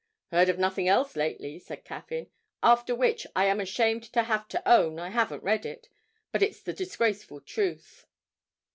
'Heard of nothing else lately,' said Caffyn. 'After which I am ashamed to have to own I haven't read it, but it's the disgraceful truth.'